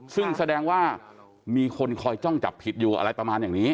ซึ่งแสดงว่ามีคนคอยจ้องจับผิดอยู่อะไรประมาณอย่างนี้